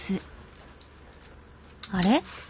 あれ？